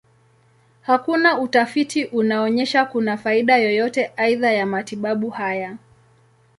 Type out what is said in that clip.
Hakuna utafiti unaonyesha kuna faida yoyote aidha ya matibabu haya.